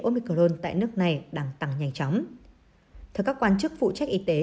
omicron tại nước này đang tăng nhanh chóng theo các quan chức phụ trách y tế